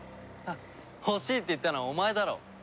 ハッ欲しいって言ったのはお前だろ。